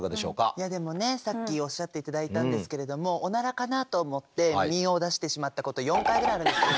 いやでもねさっきおっしゃって頂いたんですけれどもオナラかなと思って実を出してしまったこと４回ぐらいあるんですね。